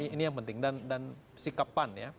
ini yang penting dan sikapan ya